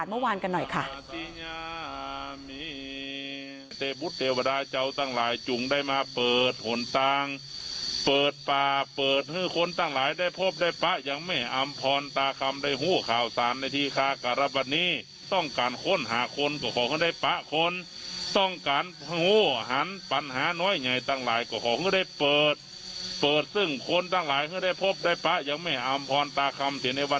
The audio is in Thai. เดี๋ยวไปดูบรรยากาศเมื่อวานกันหน่อยค่ะ